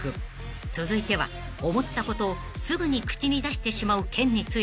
［続いては思ったことをすぐに口に出してしまう件について］